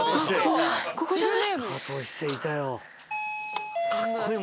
ここじゃない？